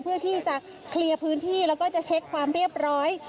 เพื่อที่จะเคลียร์พื้นที่แล้วก็จะเช็คความเรียบร้อย